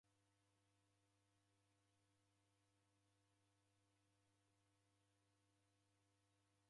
Da dibonyaa wada?